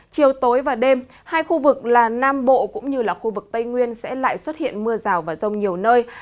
chiều tối và đêm hai khu vực là nam bộ cũng như là khu vực tây nguyên sẽ lại xuất hiện mưa rào và rông nhiều nơi